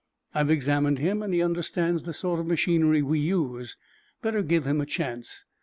I've examined him, and he understands the sort of machinery we use. Better give him a chance."